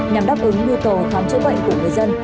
nhằm đáp ứng mưu tổ khám chữa bệnh của người dân